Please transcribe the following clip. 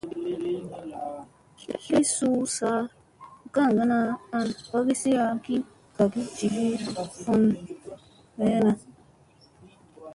Tlekyen suu zaa kaŋgana an gayasi ki kaŋga jivi hu veena.